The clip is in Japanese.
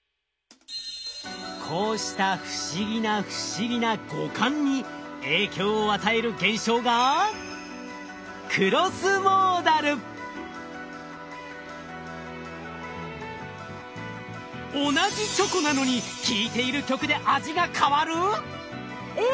こうした不思議な不思議な五感に影響を与える現象が同じチョコなのに聴いている曲で味が変わる！？